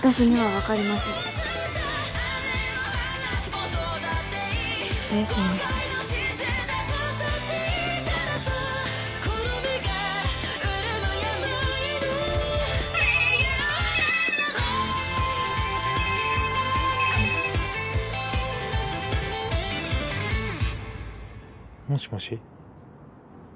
もしもし？